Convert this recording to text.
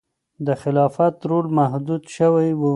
د خلافت رول محدود شوی و.